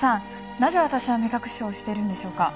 なぜ私は目隠しをしているんでしょうか？